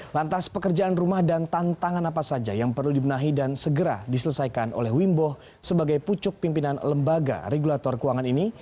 lantas pekerjaan rumah dan tantangan apa saja yang perlu dibenahi dan segera diselesaikan oleh wimbo sebagai pucuk pimpinan lembaga regulator keuangan ini